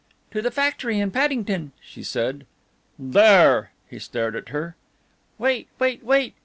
"To the factory in Paddington," she said. "There!" he stared at her. "Wait, wait, wait!"